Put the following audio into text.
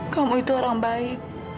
kamu itu orang baik